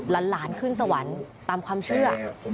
หลานขึ้นสวรรค์ตามความเชื่อ